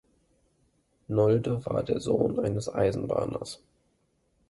Nolde war der Sohn eines Eisenbahners.